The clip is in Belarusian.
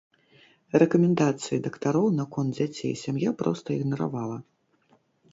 Рэкамендацыі дактароў наконт дзяцей сям'я проста ігнаравала.